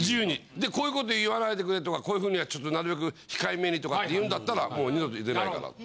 でこういうこと言わないでくれとかこういう風にはちょっとなるべく控えめにとか言うんだったらもう二度と出ないからって。